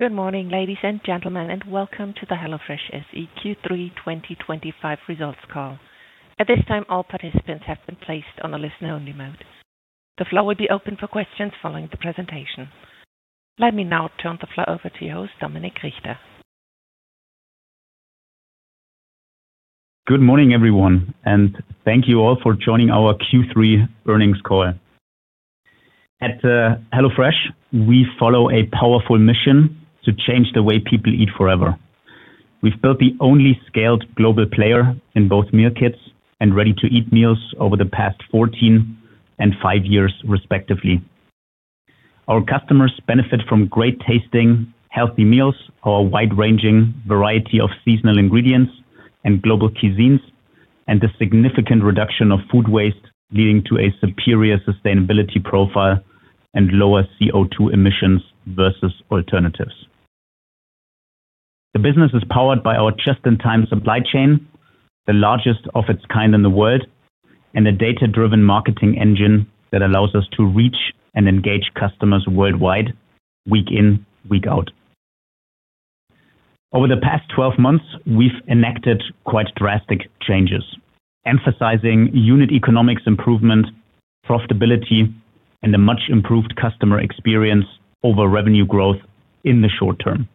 Good morning, ladies and gentlemen, and welcome to the HelloFresh SE Q3 2025 results call. At this time, all participants have been placed on a listener-only mode. The floor will be open for questions following the presentation. Let me now turn the floor over to your host, Dominik Richter. Good morning, everyone, and thank you all for joining our Q3 earnings call. At HelloFresh, we follow a powerful mission to change the way people eat forever. We've built the only scaled global player in both Meal Kits and Ready-to-Eat meals over the past 14 and 5 years, respectively. Our customers benefit from great tasting, healthy meals or a wide-ranging variety of seasonal ingredients and global cuisines, and a significant reduction of food waste, leading to a superior sustainability profile and lower CO2 emissions versus alternatives. The business is powered by our just-in-time supply chain, the largest of its kind in the world, and a data-driven marketing engine that allows us to reach and engage customers worldwide, week in, week out. Over the past 12 months, we've enacted quite drastic changes, emphasizing unit economics improvement, profitability, and a much improved customer experience over revenue growth in the short term.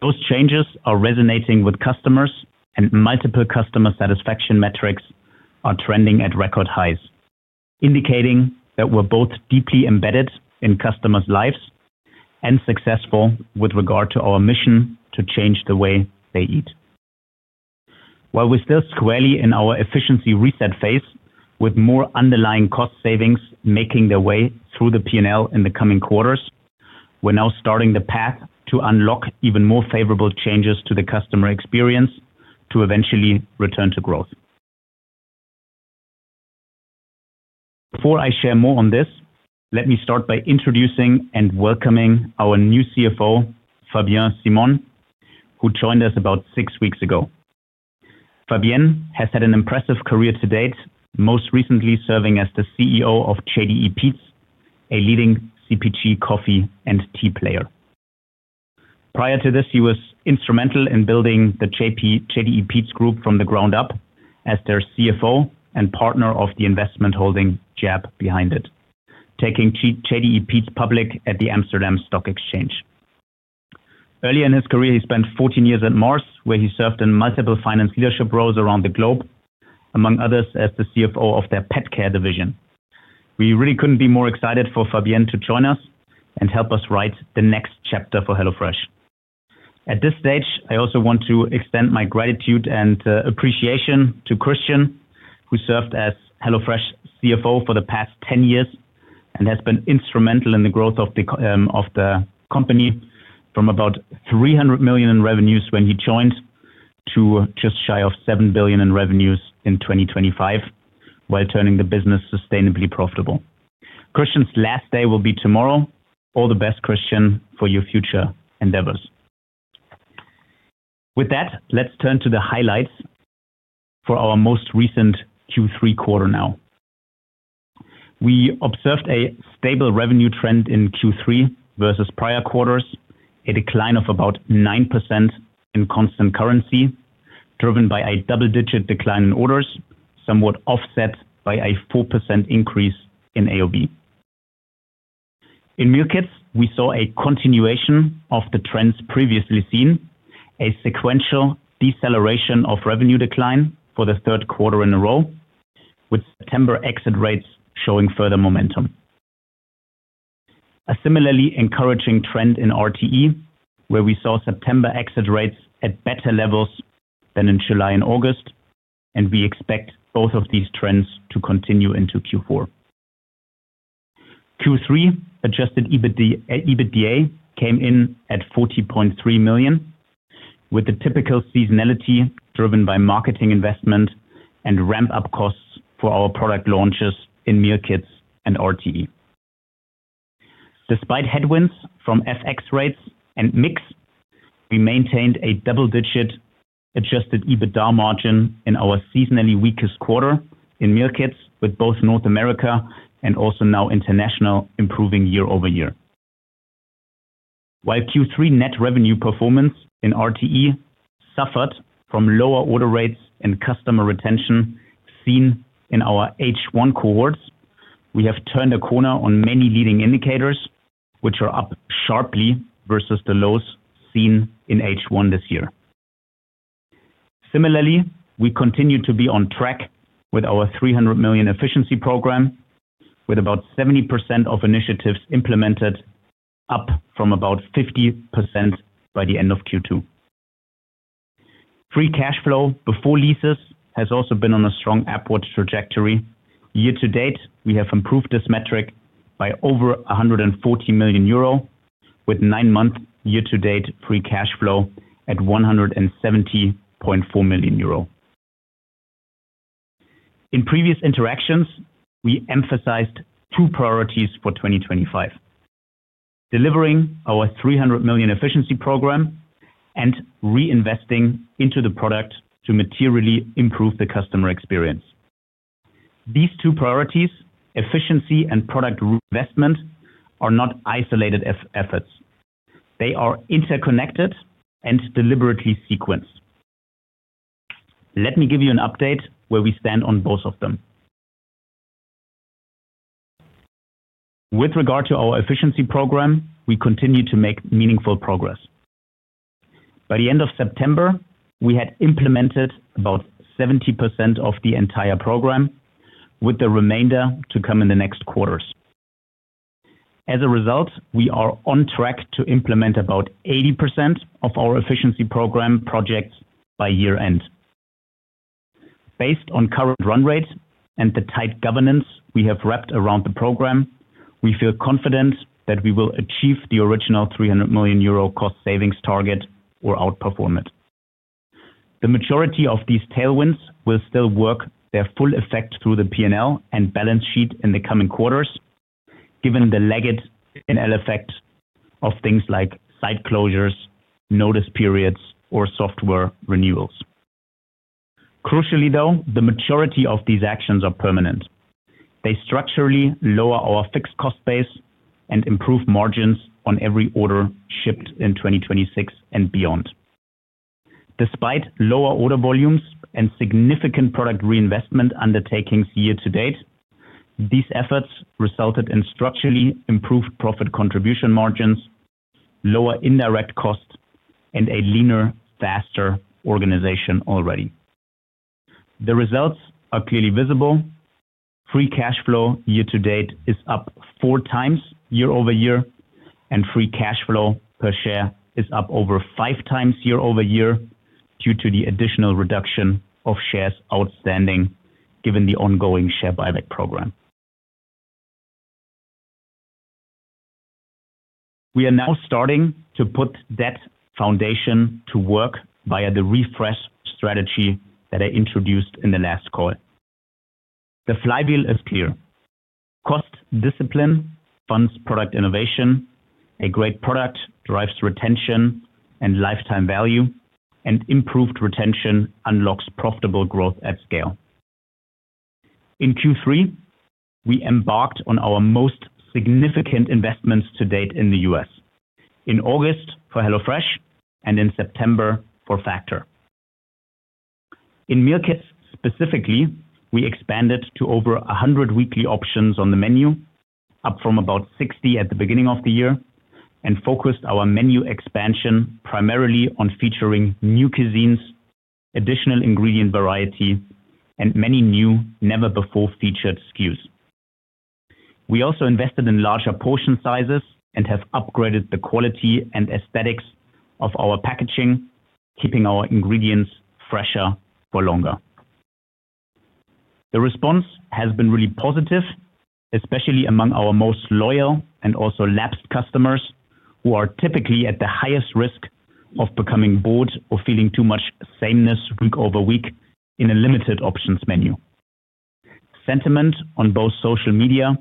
Those changes are resonating with customers, and multiple customer satisfaction metrics are trending at record highs, indicating that we're both deeply embedded in customers' lives and successful with regard to our mission to change the way they eat. While we're still squarely in our efficiency reset phase, with more underlying cost savings making their way through the P&L in the coming quarters, we're now starting the path to unlock even more favorable changes to the customer experience to eventually return to growth. Before I share more on this, let me start by introducing and welcoming our new CFO, Fabien Simon, who joined us about six weeks ago. Fabien has had an impressive career to date, most recently serving as the CEO of JDE Peet’s, a leading CPG coffee and tea player. Prior to this, he was instrumental in building the JDE Peet’s Group from the ground up as their CFO and partner of the investment holding JAB behind it, taking JDE Peet’s public at the Amsterdam Stock Exchange. Earlier in his career, he spent 14 years at Mars, where he served in multiple finance leadership roles around the globe, among others as the CFO of their Pet Care division. We really couldn't be more excited for Fabien to join us and help us write the next chapter for HelloFresh. At this stage, I also want to extend my gratitude and appreciation to Christian, who served as HelloFresh SE's CFO for the past 10 years and has been instrumental in the growth of the company from about $300 million in revenues when he joined to just shy of $7 billion in revenues in 2025, while turning the business sustainably profitable. Christian's last day will be tomorrow. All the best, Christian, for your future endeavors. With that, let's turn to the highlights for our most recent Q3 quarter now. We observed a stable revenue trend in Q3 versus prior quarters, a decline of about 9% in constant currency, driven by a double-digit decline in orders, somewhat offset by a 4% increase in AOV. In Meal Kits, we saw a continuation of the trends previously seen, a sequential deceleration of revenue decline for the third quarter in a row, with September exit rates showing further momentum. A similarly encouraging trend in Ready-to-Eat meals, where we saw September exit rates at better levels than in July and August, and we expect both of these trends to continue into Q4. Q3 Adjusted EBITDA came in at $40.3 million, with the typical seasonality driven by marketing investment and ramp-up costs for our product launches in Meal Kits and Ready-to-Eat meals. Despite headwinds from FX rates and mix, we maintained a double-digit Adjusted EBITDA margin in our seasonally weakest quarter in Meal Kits, with both North America and also now International improving year over year. While Q3 net revenue performance in Ready-to-Eat meals suffered from lower order rates and customer retention seen in our H1 cohorts, we have turned a corner on many leading indicators, which are up sharply versus the lows seen in H1 this year. Similarly, we continue to be on track with our $300 million efficiency program, with about 70% of initiatives implemented, up from about 50% by the end of Q2. Free cash flow before leases has also been on a strong upward trajectory. Year to date, we have improved this metric by over €140 million, with nine-month year-to-date free cash flow at €170.4 million. In previous interactions, we emphasized two priorities for 2025: delivering our $300 million efficiency program and reinvesting into the product to materially improve the customer experience. These two priorities, efficiency and product investment, are not isolated efforts. They are interconnected and deliberately sequenced. Let me give you an update where we stand on both of them. With regard to our efficiency program, we continue to make meaningful progress. By the end of September, we had implemented about 70% of the entire program, with the remainder to come in the next quarters. As a result, we are on track to implement about 80% of our efficiency program projects by year-end. Based on current run rates and the tight governance we have wrapped around the program, we feel confident that we will achieve the original €300 million cost savings target or outperform it. The majority of these tailwinds will still work their full effect through the P&L and balance sheet in the coming quarters, given the lagged P&L effect of things like site closures, notice periods, or software renewals. Crucially, though, the majority of these actions are permanent. They structurally lower our fixed cost base and improve margins on every order shipped in 2026 and beyond. Despite lower order volumes and significant product reinvestment undertakings year to date, these efforts resulted in structurally improved profit contribution margins, lower indirect costs, and a leaner, faster organization already. The results are clearly visible. Free cash flow year to date is up four times year over year, and free cash flow per share is up over five times year over year due to the additional reduction of shares outstanding, given the ongoing share buyback program. We are now starting to put that foundation to work via the refresh strategy that I introduced in the last call. The flywheel is clear: cost discipline funds product innovation, a great product drives retention and lifetime value, and improved retention unlocks profitable growth at scale. In Q3, we embarked on our most significant investments to date in the US, in August for HelloFresh and in September for Factor. In Meal Kits specifically, we expanded to over 100 weekly options on the menu, up from about 60 at the beginning of the year, and focused our menu expansion primarily on featuring new cuisines, additional ingredient varieties, and many new, never-before-featured SKUs. We also invested in larger portion sizes and have upgraded the quality and aesthetics of our packaging, keeping our ingredients fresher for longer. The response has been really positive, especially among our most loyal and also lapsed customers, who are typically at the highest risk of becoming bored or feeling too much sameness week over week in a limited options menu. Sentiment on both social media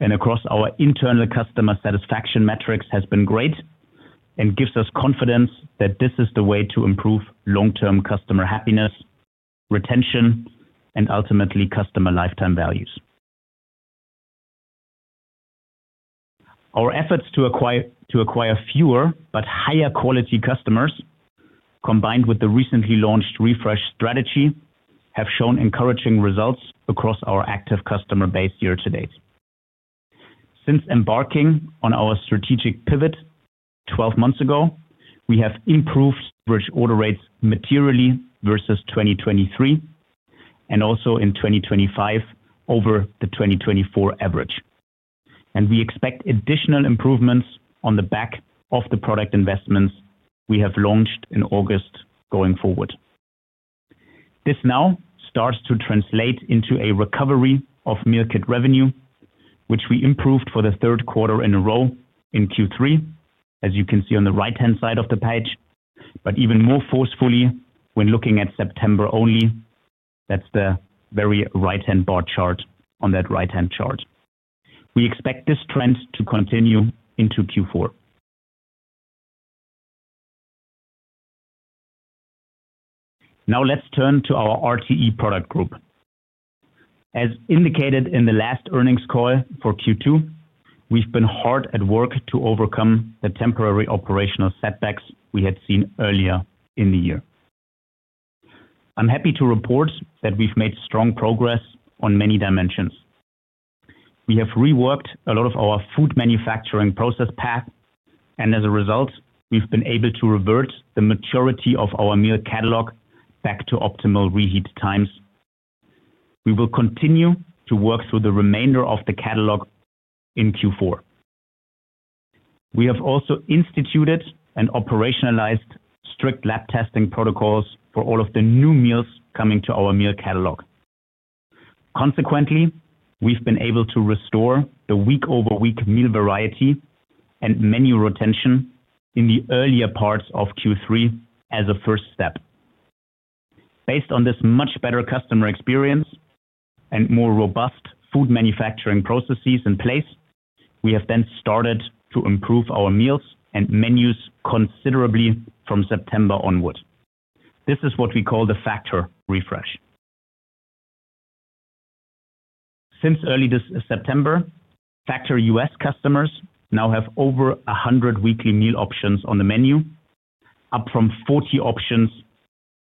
and across our internal customer satisfaction metrics has been great and gives us confidence that this is the way to improve long-term customer happiness, retention, and ultimately customer lifetime values. Our efforts to acquire fewer but higher-quality customers, combined with the recently launched refresh strategy, have shown encouraging results across our active customer base year to date. Since embarking on our strategic pivot 12 months ago, we have improved average order rates materially versus 2023 and also in 2025 over the 2024 average. We expect additional improvements on the back of the product investments we have launched in August going forward. This now starts to translate into a recovery of Meal Kit revenue, which we improved for the third quarter in a row in Q3, as you can see on the right-hand side of the page, even more forcefully when looking at September only. That is the very right-hand bar chart on that right-hand chart. We expect this trend to continue into Q4. Now let's turn to our Ready-to-Eat product group. As indicated in the last earnings call for Q2, we've been hard at work to overcome the temporary operational setbacks we had seen earlier in the year. I'm happy to report that we've made strong progress on many dimensions. We have reworked a lot of our food manufacturing process path, and as a result, we've been able to revert the maturity of our meal catalog back to optimal reheat times. We will continue to work through the remainder of the catalog in Q4. We have also instituted and operationalized strict lab testing protocols for all of the new meals coming to our meal catalog. Consequently, we've been able to restore the week-over-week meal variety and menu retention in the earlier parts of Q3 as a first step. Based on this much better customer experience and more robust food manufacturing processes in place, we have then started to improve our meals and menus considerably from September onward. This is what we call the Factor refresh. Since early September, Factor US customers now have over 100 weekly meal options on the menu, up from 40 options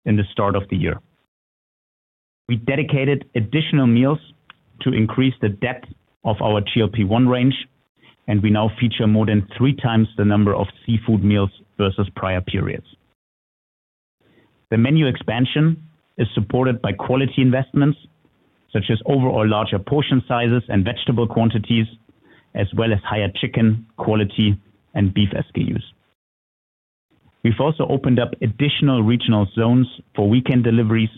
at the start of the year. We dedicated additional meals to increase the depth of our GLP-1 range, and we now feature more than three times the number of seafood meals versus prior periods. The menu expansion is supported by quality investments, such as overall larger portion sizes and vegetable quantities, as well as higher chicken quality and beef SKUs. We've also opened up additional regional zones for weekend deliveries,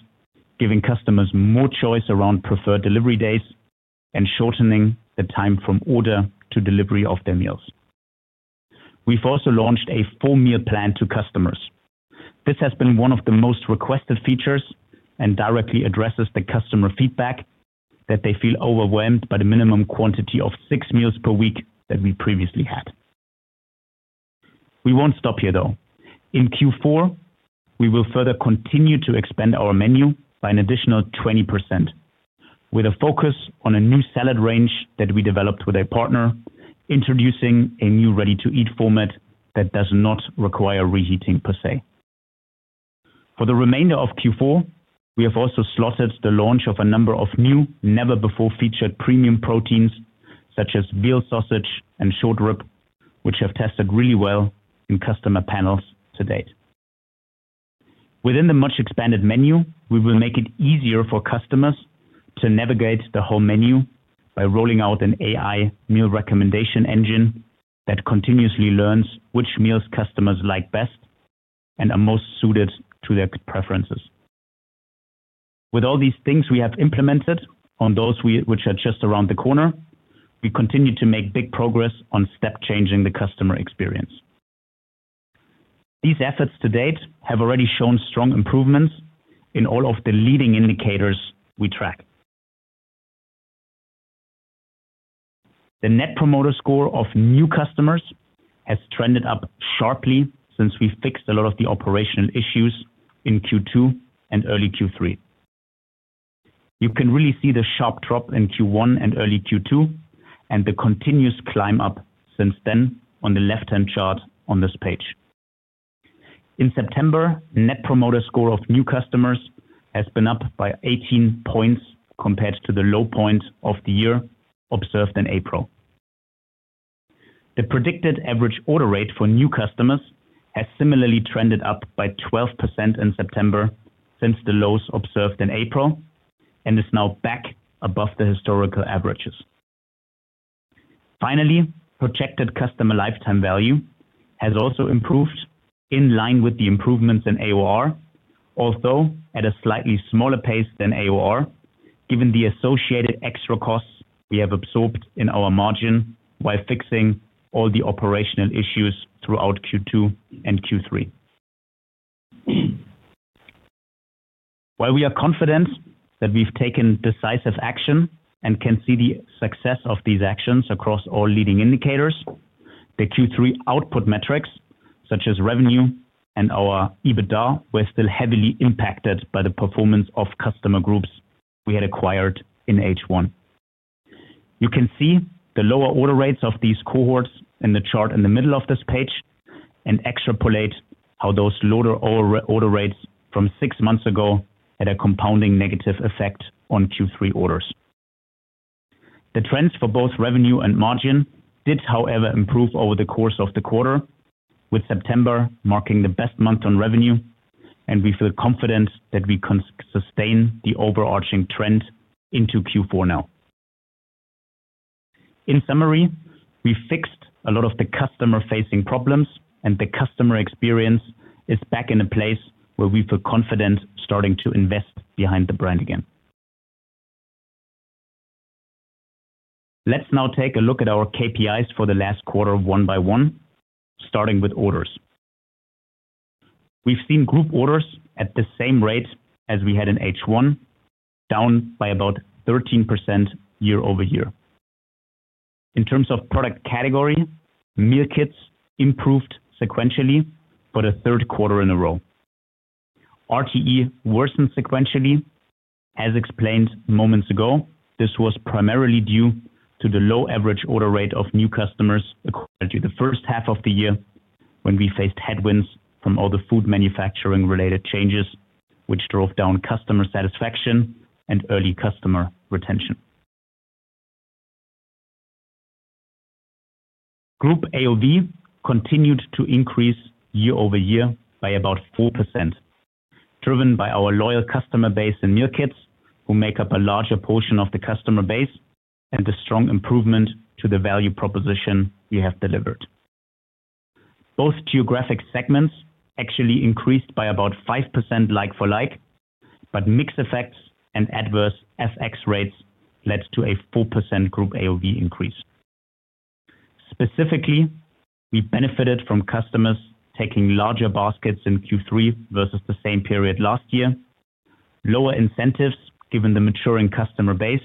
giving customers more choice around preferred delivery days and shortening the time from order to delivery of their meals. We've also launched a full meal plan to customers. This has been one of the most requested features and directly addresses the customer feedback that they feel overwhelmed by the minimum quantity of six meals per week that we previously had. We won't stop here, though. In Q4, we will further continue to expand our menu by an additional 20%, with a focus on a new salad range that we developed with a partner, introducing a new ready-to-eat format that does not require reheating per se. For the remainder of Q4, we have also slotted the launch of a number of new, never-before-featured premium proteins, such as veal sausage and short rib, which have tested really well in customer panels to date. Within the much-expanded menu, we will make it easier for customers to navigate the whole menu by rolling out an AI meal recommendation engine that continuously learns which meals customers like best and are most suited to their preferences. With all these things we have implemented and those which are just around the corner, we continue to make big progress on step-changing the customer experience. These efforts to date have already shown strong improvements in all of the leading indicators we track. The Net Promoter Score of new customers has trended up sharply since we fixed a lot of the operational issues in Q2 and early Q3. You can really see the sharp drop in Q1 and early Q2 and the continuous climb up since then on the left-hand chart on this page. In September, Net Promoter Score of new customers has been up by 18 points compared to the low point of the year observed in April. The predicted average order rate for new customers has similarly trended up by 12% in September since the lows observed in April and is now back above the historical averages. Finally, projected customer lifetime value has also improved in line with the improvements in AOR, although at a slightly smaller pace than AOR, given the associated extra costs we have absorbed in our margin while fixing all the operational issues throughout Q2 and Q3. While we are confident that we've taken decisive action and can see the success of these actions across all leading indicators, the Q3 output metrics, such as revenue and our Adjusted EBITDA, were still heavily impacted by the performance of customer groups we had acquired in H1. You can see the lower order rates of these cohorts in the chart in the middle of this page and extrapolate how those lower order rates from six months ago had a compounding negative effect on Q3 orders. The trends for both revenue and margin did, however, improve over the course of the quarter, with September marking the best month on revenue, and we feel confident that we can sustain the overarching trend into Q4 now. In summary, we fixed a lot of the customer-facing problems, and the customer experience is back in a place where we feel confident starting to invest behind the brand again. Let's now take a look at our KPIs for the last quarter one by one, starting with orders. We've seen group orders at the same rate as we had in H1, down by about 13% year over year. In terms of product category, Meal Kits improved sequentially for the third quarter in a row. Ready-to-Eat (RTE) meals worsened sequentially. As explained moments ago, this was primarily due to the low average order rate of new customers acquired during the first half of the year, when we faced headwinds from all the food manufacturing-related changes, which drove down customer satisfaction and early customer retention. Group average order value (AOV) continued to increase year over year by about 4%, driven by our loyal customer base in Meal Kits, who make up a larger portion of the customer base, and the strong improvement to the value proposition we have delivered. Both geographic segments actually increased by about 5% like for like, but mixed effects and adverse FX rates led to a 4% group AOV increase. Specifically, we benefited from customers taking larger baskets in Q3 versus the same period last year, lower incentives given the maturing customer base,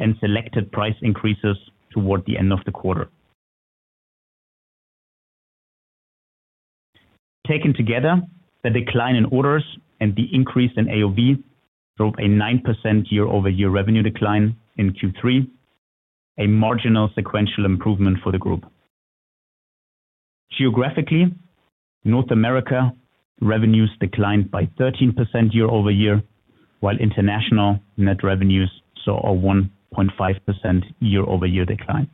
and selected price increases toward the end of the quarter. Taken together, the decline in orders and the increase in AOV drove a 9% year-over-year revenue decline in Q3, a marginal sequential improvement for the group. Geographically, North America revenues declined by 13% year over year, while international net revenues saw a 1.5% year-over-year decline.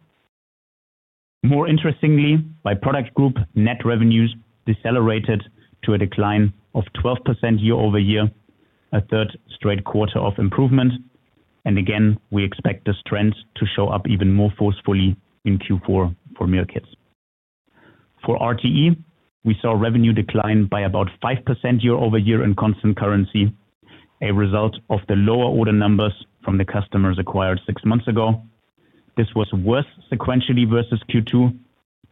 More interestingly, by product group, net revenues decelerated to a decline of 12% year over year, a third straight quarter of improvement, and again, we expect this trend to show up even more forcefully in Q4 for Meal Kits. For Ready-to-Eat (RTE) meals, we saw revenue decline by about 5% year over year in constant currency, a result of the lower order numbers from the customers acquired six months ago. This was worse sequentially versus Q2,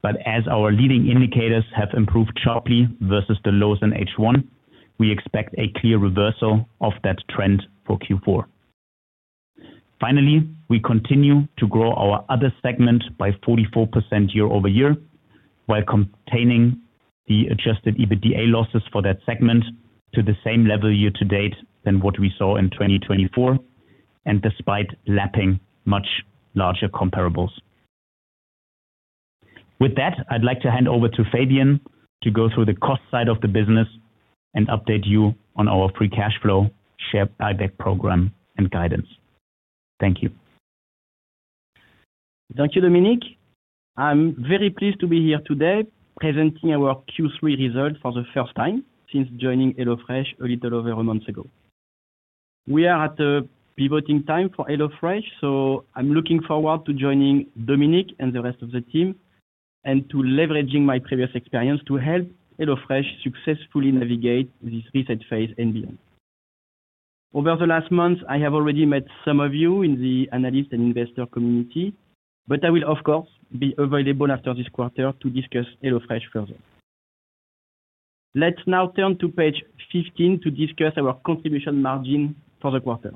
but as our leading indicators have improved sharply versus the lows in H1, we expect a clear reversal of that trend for Q4. Finally, we continue to grow our other segment by 44% year over year, while containing the Adjusted EBITDA losses for that segment to the same level year to date as what we saw in 2024, and despite lapping much larger comparables. With that, I'd like to hand over to Fabien to go through the cost side of the business and update you on our free cash flow, share buyback program, and guidance. Thank you. Thank you, Dominik. I'm very pleased to be here today presenting our Q3 result for the first time since joining HelloFresh a little over a month ago. We are at a pivoting time for HelloFresh, so I'm looking forward to joining Dominik and the rest of the team and to leveraging my previous experience to help HelloFresh successfully navigate this reset phase and beyond. Over the last month, I have already met some of you in the analyst and investor community, but I will, of course, be available after this quarter to discuss HelloFresh further. Let's now turn to page 15 to discuss our contribution margin for the quarter.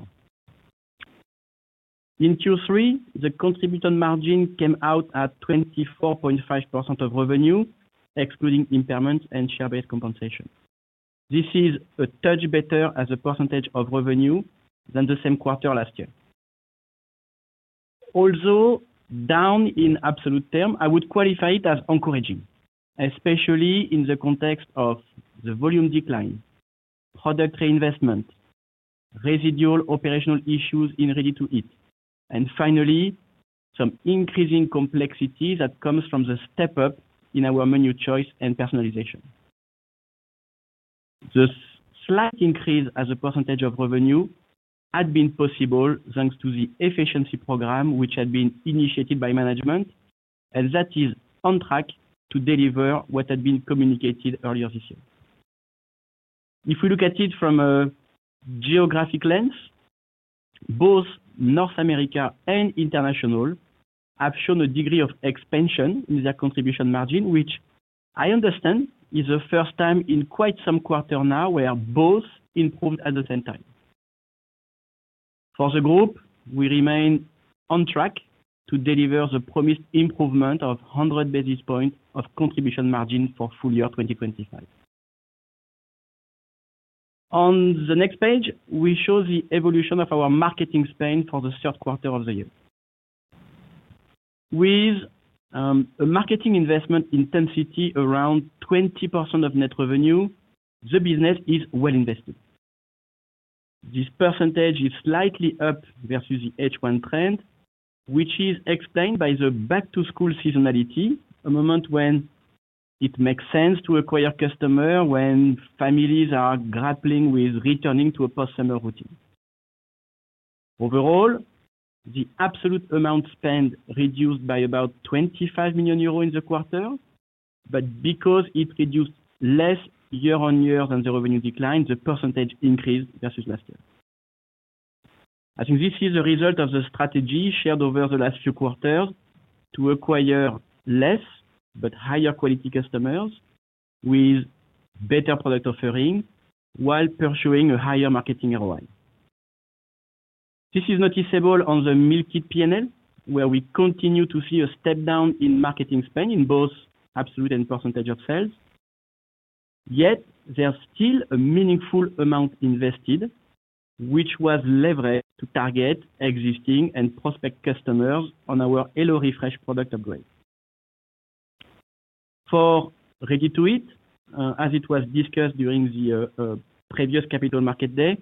In Q3, the contribution margin came out at 24.5% of revenue, excluding impairments and share-based compensation. This is a touch better as a percentage of revenue than the same quarter last year. Although down in absolute terms, I would qualify it as encouraging, especially in the context of the volume decline, product reinvestment, residual operational issues in Ready-to-Eat, and finally, some increasing complexity that comes from the step-up in our menu choice and personalization. The slight increase as a percentage of revenue had been possible thanks to the efficiency program, which had been initiated by management, and that is on track to deliver what had been communicated earlier this year. If we look at it from a geographic lens: both North America and International have shown a degree of expansion in their contribution margin, which I understand is the first time in quite some quarters now where both improved at the same time. For the group, we remain on track to deliver the promised improvement of 100 basis points of contribution margin for full year 2025. On the next page, we show the evolution of our marketing spend for the third quarter of the year. With a marketing investment intensity around 20% of net revenue, the business is well invested. This percentage is slightly up versus the H1 trend, which is explained by the back-to-school seasonality, a moment when it makes sense to acquire customers when families are grappling with returning to a post-summer routine. Overall, the absolute amount spent reduced by about €25 million in the quarter, but because it reduced less year on year than the revenue decline, the percentage increased versus last year. I think this is a result of the strategy shared over the last few quarters to acquire less but higher-quality customers with better product offerings while pursuing a higher marketing ROI. This is noticeable on the Meal Kits P&L, where we continue to see a step down in marketing spend in both absolute and % of sales. Yet, there's still a meaningful amount invested, which was leveraged to target existing and prospect customers on our HelloFresh product upgrade. For Ready-to-Eat, as it was discussed during the previous Capital Market Day,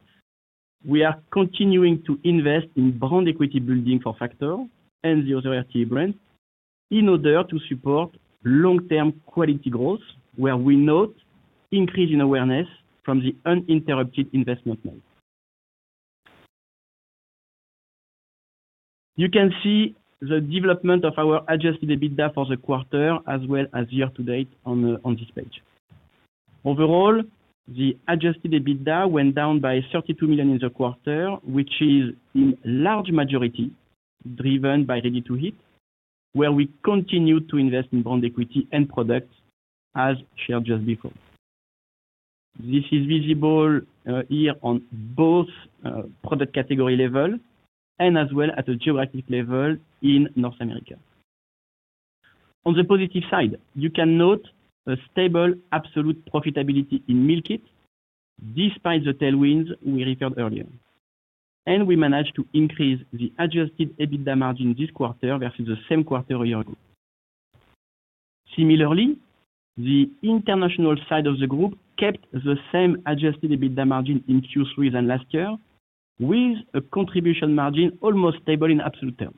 we are continuing to invest in brand equity building for Factor and the other Ready-to-Eat brands in order to support long-term quality growth, where we note an increase in awareness from the uninterrupted investment made. You can see the development of our Adjusted EBITDA for the quarter, as well as year to date, on this page. Overall, the Adjusted EBITDA went down by €32 million in the quarter, which is in large majority driven by Ready-to-Eat, where we continue to invest in brand equity and products, as shared just before. This is visible here on both product category levels and as well as a geographic level in North America. On the positive side, you can note a stable absolute profitability in Meal Kits, despite the tailwinds we referred earlier. We managed to increase the Adjusted EBITDA margin this quarter versus the same quarter a year ago. Similarly, the international side of the group kept the same Adjusted EBITDA margin in Q3 than last year, with a contribution margin almost stable in absolute terms.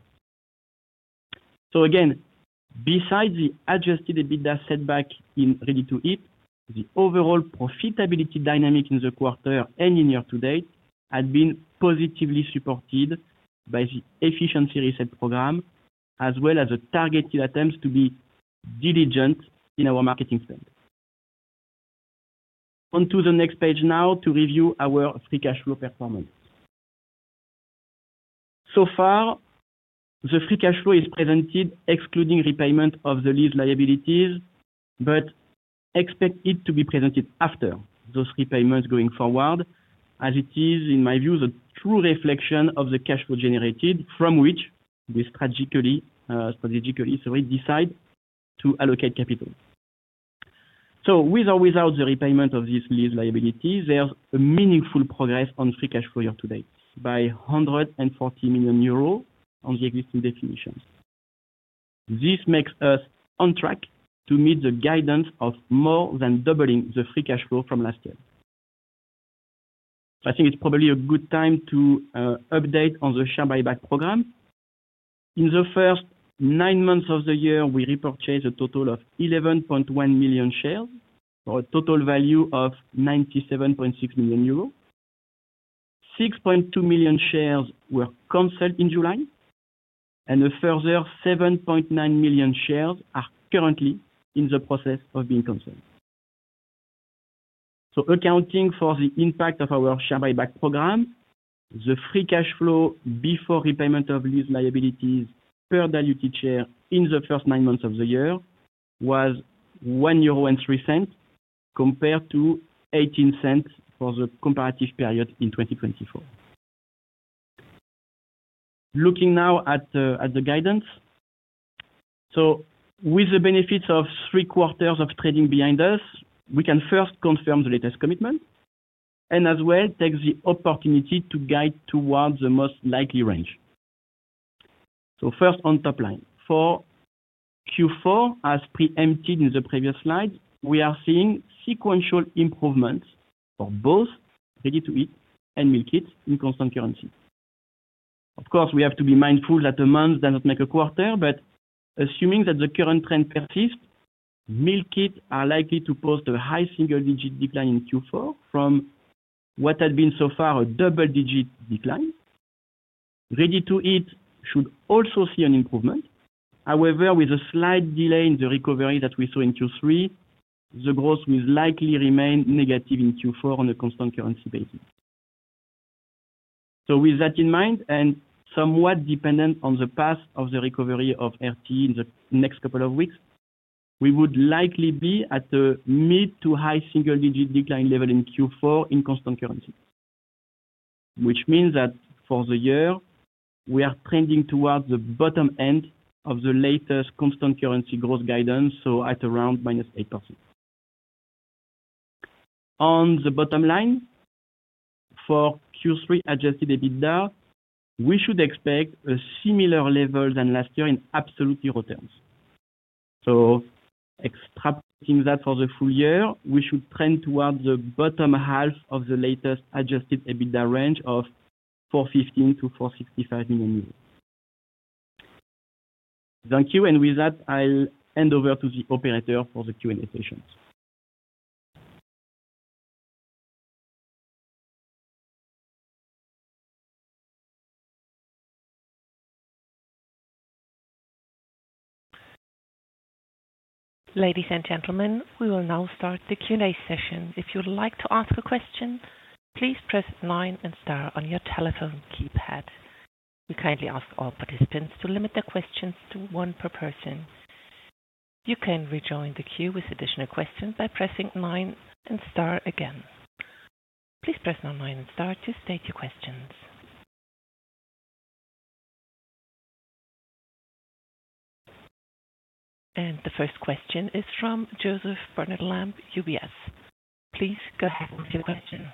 Again, besides the Adjusted EBITDA setback in Ready-to-Eat, the overall profitability dynamic in the quarter and in year to date had been positively supported by the efficiency reset program, as well as the targeted attempts to be diligent in our marketing spend. Onto the next page now to review our free cash flow performance. So far, the free cash flow is presented excluding repayment of the lease liabilities, but expect it to be presented after those repayments going forward, as it is, in my view, the true reflection of the cash flow generated from which we strategically decide to allocate capital. With or without the repayment of these lease liabilities, there's a meaningful progress on free cash flow year to date, by €140 million on the existing definition. This makes us on track to meet the guidance of more than doubling the free cash flow from last year. I think it's probably a good time to update on the share buyback program. In the first nine months of the year, we repurchased a total of 11.1 million shares for a total value of €97.6 million. 6.2 million shares were canceled in July, and a further 7.9 million shares are currently in the process of being canceled. Accounting for the impact of our share buyback program, the free cash flow before repayment of lease liabilities per diluted share in the first nine months of the year was €1.03 compared to $0.18 for the comparative period in 2024. Looking now at the guidance, with the benefits of three quarters of trading behind us, we can first confirm the latest commitment and as well take the opportunity to guide towards the most likely range. First on top line, for Q4, as preempted in the previous slide, we are seeing sequential improvements for both Ready-to-Eat and Meal Kits in constant currency. Of course, we have to be mindful that a month does not make a quarter, but assuming that the current trend persists, Meal Kits are likely to post a high single-digit decline in Q4 from what had been so far a double-digit decline. Ready-to-Eat should also see an improvement. However, with a slight delay in the recovery that we saw in Q3, the growth will likely remain negative in Q4 on a constant currency basis. With that in mind and somewhat dependent on the path of the recovery of Ready-to-Eat in the next couple of weeks, we would likely be at a mid to high single-digit decline level in Q4 in constant currency, which means that for the year, we are trending towards the bottom end of the latest constant currency growth guidance, so at around minus 8%. On the bottom line, for Q3 Adjusted EBITDA, we should expect a similar level than last year in absolute euro terms. Extracting that for the full year, we should trend towards the bottom half of the latest Adjusted EBITDA range of €415 to €465 million. Thank you, and with that, I'll hand over to the operator for the Q&A sessions. Ladies and gentlemen, we will now start the Q&A session. If you would like to ask a question, please press nine and star on your telephone keypad. We kindly ask all participants to limit their questions to one per person. You can rejoin the queue with additional questions by pressing nine and star again. Please press nine and star to state your questions. The first question is from Joseph Barnet-Lamb, UBS. Please go ahead with your question.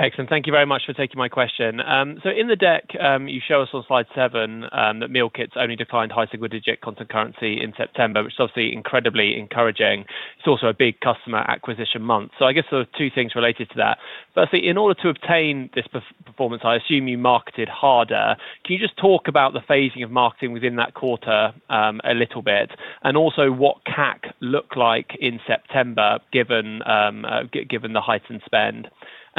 Excellent. Thank you very much for taking my question. In the deck, you show us on slide seven that Meal Kits only declined high single-digit constant currency in September, which is obviously incredibly encouraging. It's also a big customer acquisition month. I guess there are two things related to that. Firstly, in order to obtain this performance, I assume you marketed harder. Can you just talk about the phasing of marketing within that quarter a little bit? Also, what CAC looked like in September given the heightened spend?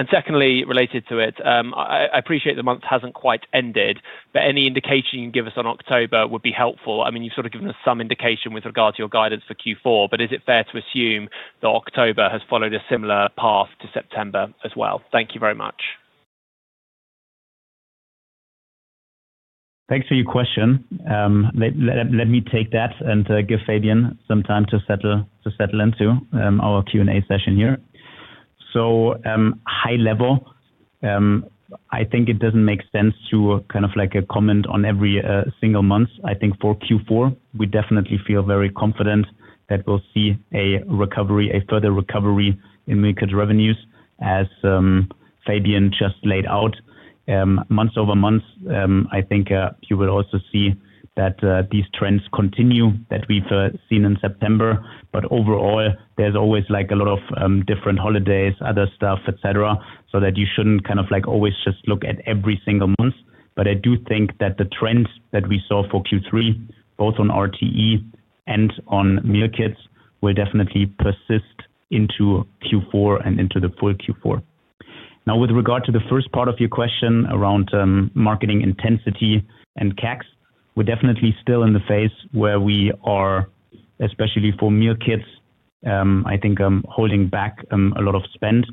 Secondly, related to it, I appreciate the month hasn't quite ended, but any indication you can give us on October would be helpful. I mean, you've sort of given us some indication with regard to your guidance for Q4, but is it fair to assume that October has followed a similar path to September as well? Thank you very much. Thanks for your question. Let me take that and give Fabien some time to settle into our Q&A session here. High level, I think it doesn't make sense to comment on every single month. I think for Q4, we definitely feel very confident that we'll see a recovery, a further recovery in meal kit revenues, as Fabien just laid out. Month over month, I think you will also see that these trends continue that we've seen in September. Overall, there's always a lot of different holidays, other stuff, et cetera, so that you shouldn't always just look at every single month. I do think that the trend that we saw for Q3, both on Ready-to-Eat and on meal kits, will definitely persist into Q4 and into the full Q4. Now, with regard to the first part of your question around marketing intensity and CACs, we're definitely still in the phase where we are, especially for meal kits, holding back a lot of spend.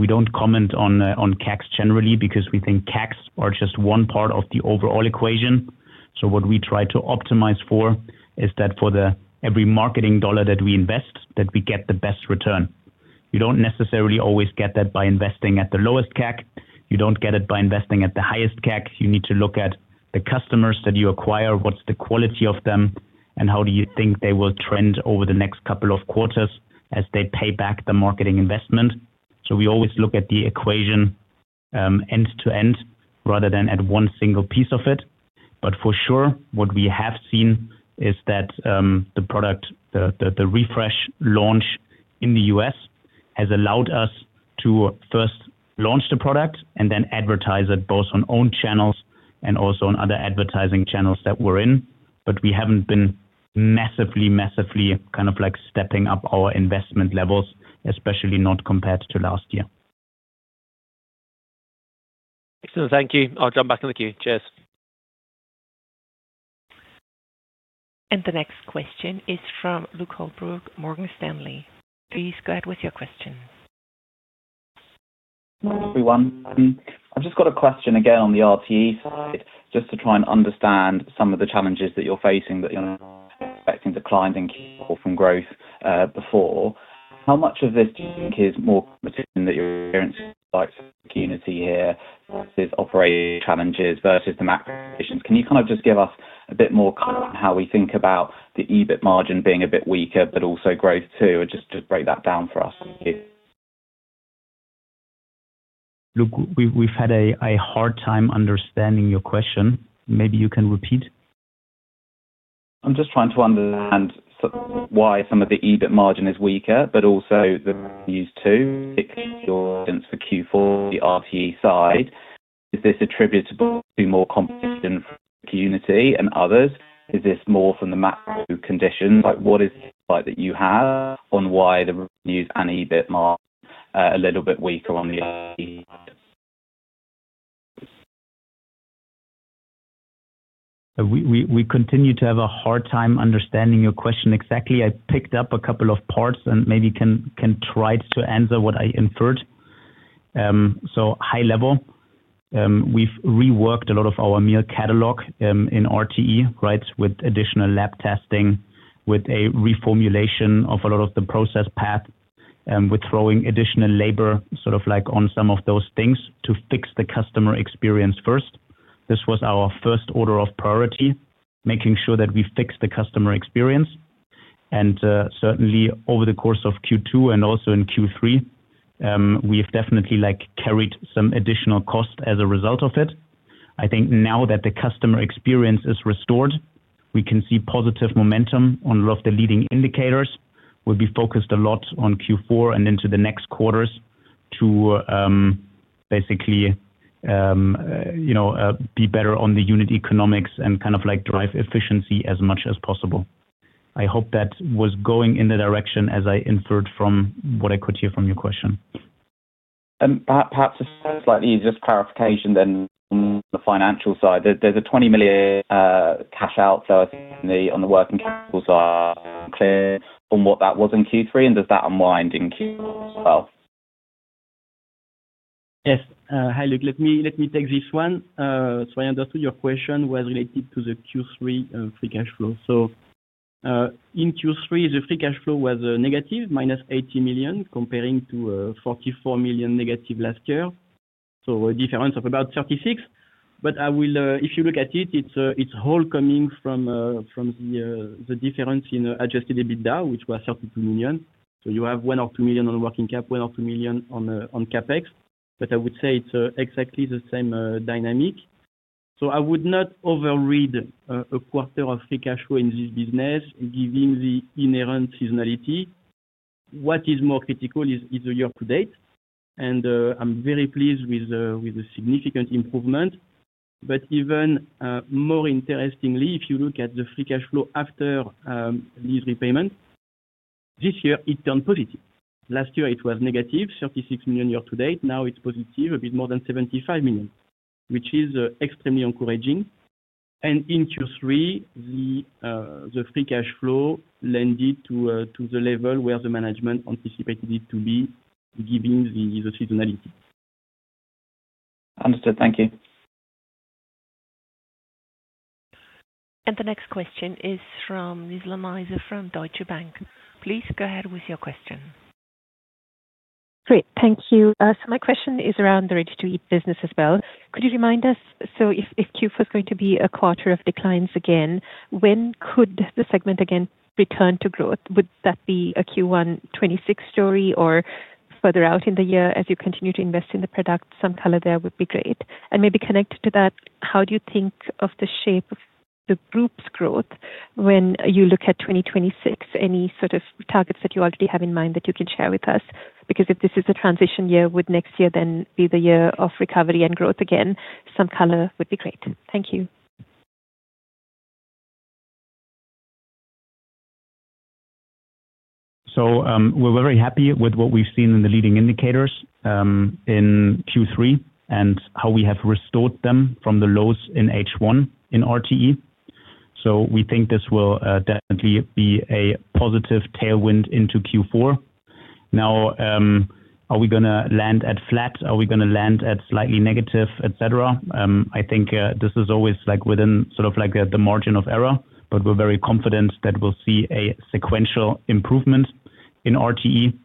We don't comment on CACs generally because we think CACs are just one part of the overall equation. What we try to optimize for is that for every marketing dollar that we invest, we get the best return. You don't necessarily always get that by investing at the lowest CAC. You don't get it by investing at the highest CAC. You need to look at the customers that you acquire, what's the quality of them, and how do you think they will trend over the next couple of quarters as they pay back the marketing investment. We always look at the equation end to end rather than at one single piece of it. For sure, what we have seen is that the product, the refresh launch in the US has allowed us to first launch the product and then advertise it both on own channels and also on other advertising channels that we're in. We haven't been massively, massively stepping up our investment levels, especially not compared to last year. Excellent. Thank you. I'll jump back in the queue. Cheers. The next question is from Luke Holbrook, Morgan Stanley. Please go ahead with your question. Morning, everyone. I've just got a question again on the Ready-to-Eat side just to try and understand some of the challenges that you're facing that you're not expecting declines in core from growth before. How much of this do you think is more coming between that you're experiencing the likes of unity here versus operating challenges versus the macro conditions? Can you kind of just give us a bit more color on how we think about the EBIT margin being a bit weaker but also growth too? Just to break that down for us, thank you. Luke, we've had a hard time understanding your question. Maybe you can repeat. I'm just trying to understand why some of the EBIT margin is weaker but also the revenues too. Particularly your audience for Q4 on the Ready-to-Eat side. Is this attributable to more competition from the community and others? Is this more from the macro conditions? What is the insight that you have on why the revenues and EBIT marks are a little bit weaker on the Ready-to-Eat? We continue to have a hard time understanding your question. Exactly, I picked up a couple of parts and maybe can try to answer what I inferred. High level, we've reworked a lot of our meal catalog in Ready-to-Eat meals, right, with additional lab testing, with a reformulation of a lot of the process path, with throwing additional labor on some of those things to fix the customer experience first. This was our first order of priority, making sure that we fix the customer experience. Certainly, over the course of Q2 and also in Q3, we've definitely carried some additional cost as a result of it. I think now that the customer experience is restored, we can see positive momentum on a lot of the leading indicators. We'll be focused a lot on Q4 and into the next quarters to basically be better on the unit economics and drive efficiency as much as possible. I hope that was going in the direction as I inferred from what I could hear from your question. Perhaps a slightly easier clarification than the financial side. There's a $20 million cash out, so I think on the working capital side, I'm clear on what that was in Q3, and does that unwind in Q4 as well? Yes. Hi, Luke. Let me take this one. I understood your question was related to the Q3 free cash flow. In Q3, the free cash flow was negative, minus $80 million, comparing to $44 million negative last year, a difference of about $36 million. If you look at it, it's all coming from the difference in Adjusted EBITDA, which was $32 million. You have $1 or $2 million on working cap, $1 or $2 million on CapEx. I would say it's exactly the same dynamic. I would not overread a quarter of free cash flow in this business, given the inherent seasonality. What is more critical is the year-to-date. I'm very pleased with the significant improvement. Even more interestingly, if you look at the free cash flow after these repayments, this year, it turned positive. Last year, it was negative, $36 million year-to-date. Now it's positive, a bit more than $75 million, which is extremely encouraging. In Q3, the free cash flow landed to the level where the management anticipated it to be, given the seasonality. Understood. Thank you. The next question is from Nizla Naizer from Deutsche Bank AG. Please go ahead with your question. Great. Thank you. My question is around the ready-to-eat business as well. Could you remind us, if Q4 is going to be a quarter of declines again, when could the segment again return to growth? Would that be a Q1 2026 story or further out in the year as you continue to invest in the product? Some color there would be great. Maybe connected to that, how do you think of the shape of the group's growth when you look at 2026? Any sort of targets that you already have in mind that you can share with us? If this is a transition year, would next year then be the year of recovery and growth again? Some color would be great. Thank you. We're very happy with what we've seen in the leading indicators in Q3 and how we have restored them from the lows in H1 in Ready-to-Eat (RTE) meals. We think this will definitely be a positive tailwind into Q4. Now, are we going to land at flat? Are we going to land at slightly negative, etc.? I think this is always within the margin of error, but we're very confident that we'll see a sequential improvement in RTE.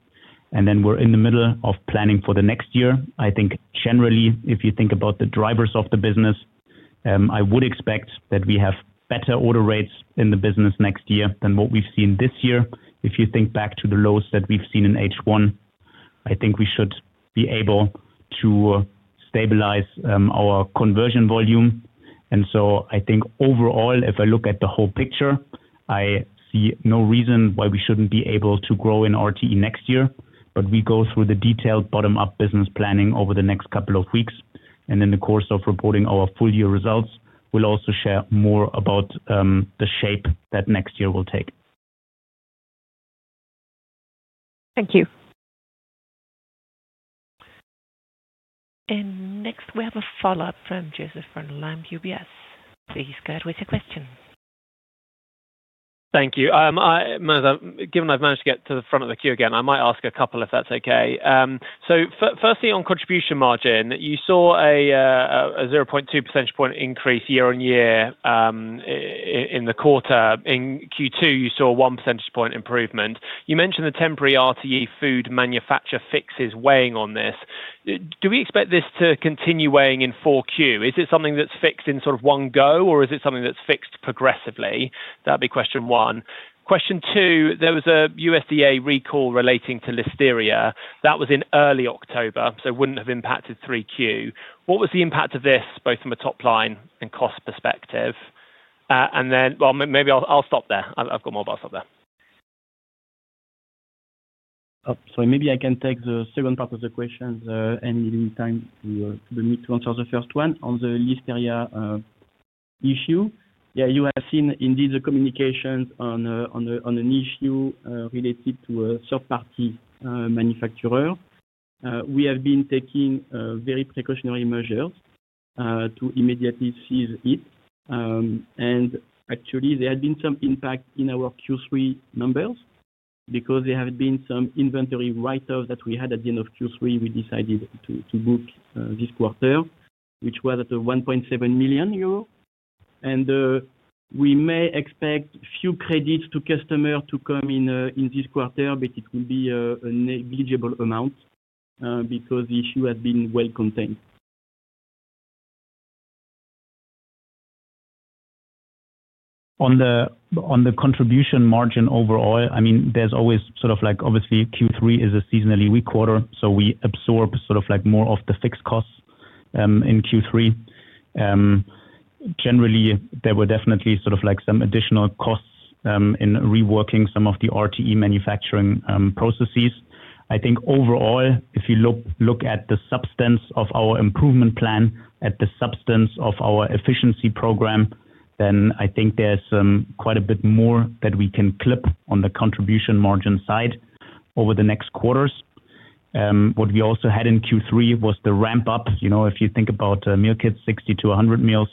We're in the middle of planning for the next year. I think generally, if you think about the drivers of the business, I would expect that we have better order rates in the business next year than what we've seen this year. If you think back to the lows that we've seen in H1, I think we should be able to stabilize our conversion volume. Overall, if I look at the whole picture, I see no reason why we shouldn't be able to grow in RTE next year. We go through the detailed bottom-up business planning over the next couple of weeks, and in the course of reporting our full-year results, we'll also share more about the shape that next year will take. Thank you. Next, we have a follow-up from Joseph Barnet-Lamb, UBS. Please go ahead with your question. Thank you. Given I've managed to get to the front of the queue again, I might ask a couple if that's okay. Firstly, on contribution margin, you saw a 0.2% increase year on year in the quarter. In Q2, you saw a 1% improvement. You mentioned the temporary Ready-to-Eat food manufacturer fixes weighing on this. Do we expect this to continue weighing in 4Q? Is it something that's fixed in one go, or is it something that's fixed progressively? That would be question one. Question two, there was a USDA recall relating to Listeria. That was in early October, so it wouldn't have impacted 3Q. What was the impact of this both from a top line and cost perspective? I've got more, but I'll stop there. Sorry, maybe I can take the second part of the question and in time to answer the first one on the Listeria issue. Yeah, you have seen indeed the communications on an issue related to a third-party manufacturer. We have been taking very precautionary measures to immediately seize it. Actually, there had been some impact in our Q3 numbers because there have been some inventory write-offs that we had at the end of Q3. We decided to book this quarter, which was at €1.7 million. We may expect a few credits to customers to come in this quarter, but it will be a negligible amount because the issue has been well contained. On the contribution margin overall, there's always sort of like obviously Q3 is a seasonally weak quarter, so we absorb sort of like more of the fixed costs in Q3. Generally, there were definitely sort of like some additional costs in reworking some of the Ready-to-Eat manufacturing processes. I think overall, if you look at the substance of our improvement plan, at the substance of our efficiency program, then I think there's quite a bit more that we can clip on the contribution margin side over the next quarters. What we also had in Q3 was the ramp-up. If you think about Meal Kits, 60 to 100 meals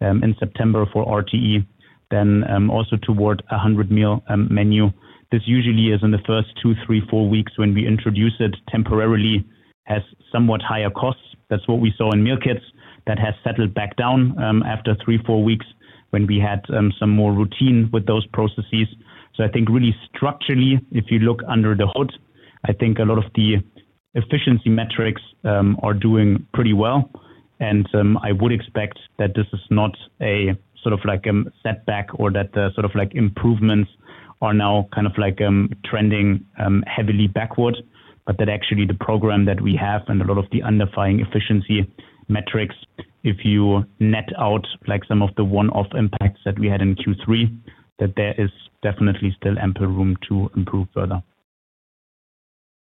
in September for Ready-to-Eat, then also toward a 100-meal menu. This usually is in the first two, three, four weeks when we introduce it temporarily as somewhat higher costs. That's what we saw in Meal Kits that has settled back down after three, four weeks when we had some more routine with those processes. I think really structurally, if you look under the hood, a lot of the efficiency metrics are doing pretty well. I would expect that this is not a sort of like a setback or that the sort of like improvements are now kind of like trending heavily backward, but that actually the program that we have and a lot of the underlying efficiency metrics, if you net out like some of the one-off impacts that we had in Q3, that there is definitely still ample room to improve further.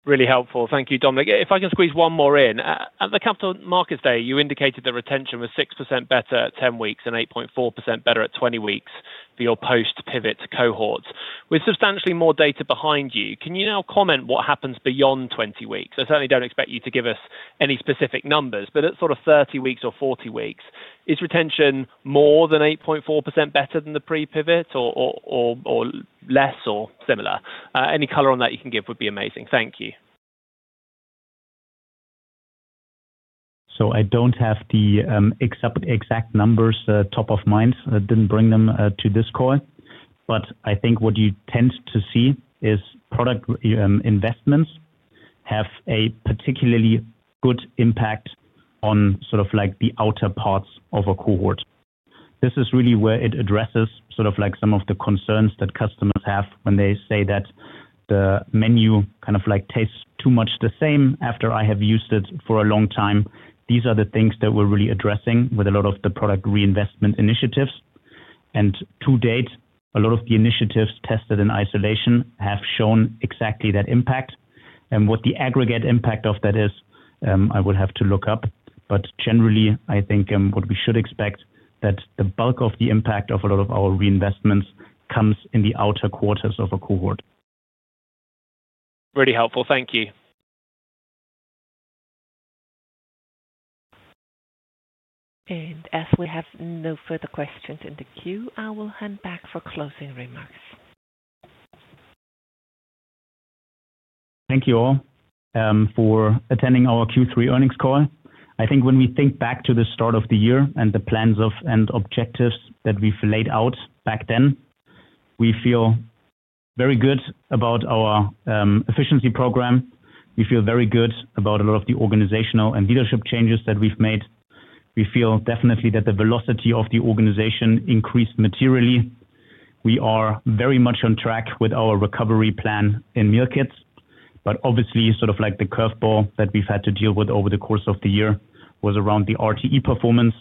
Really helpful. Thank you, Dominik. If I can squeeze one more in. At the Capital Markets Day, you indicated the retention was 6% better at 10 weeks and 8.4% better at 20 weeks for your post-pivot cohorts. With substantially more data behind you, can you now comment what happens beyond 20 weeks? I certainly don't expect you to give us any specific numbers, but at sort of 30 weeks or 40 weeks, is retention more than 8.4% better than the pre-pivot or less or similar? Any color on that you can give would be amazing. Thank you. I don't have the exact numbers top of mind. I didn't bring them to this call. I think what you tend to see is product investments have a particularly good impact on sort of like the outer parts of a cohort. This is really where it addresses sort of like some of the concerns that customers have when they say that the menu kind of like tastes too much the same after I have used it for a long time. These are the things that we're really addressing with a lot of the product reinvestment initiatives. To date, a lot of the initiatives tested in isolation have shown exactly that impact. What the aggregate impact of that is, I would have to look up. Generally, I think what we should expect is that the bulk of the impact of a lot of our reinvestments comes in the outer quarters of a cohort. Really helpful. Thank you. As we have no further questions in the queue, I will hand back for closing remarks. Thank you all for attending our Q3 earnings call. I think when we think back to the start of the year and the plans and objectives that we've laid out back then, we feel very good about our efficiency program. We feel very good about a lot of the organizational and leadership changes that we've made. We feel definitely that the velocity of the organization increased materially. We are very much on track with our recovery plan in Meal Kits. Obviously, sort of like the curveball that we've had to deal with over the course of the year was around the Ready-to-Eat (RTE) performance.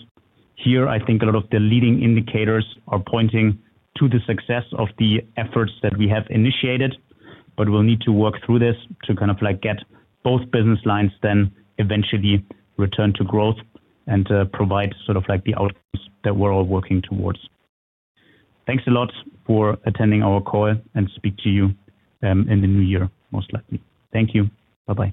Here, I think a lot of the leading indicators are pointing to the success of the efforts that we have initiated. We'll need to work through this to kind of like get both business lines then eventually return to growth and provide sort of like the outcomes that we're all working towards. Thanks a lot for attending our call and speak to you in the new year, most likely. Thank you. Bye-bye.